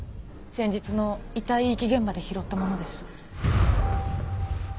先日の遺体遺棄現場で拾った物です。